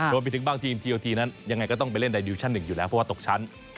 บางทีมทีโอทีนั้นยังไงก็ต้องไปเล่นในดิวิชั่นหนึ่งอยู่แล้วเพราะว่าตกชั้น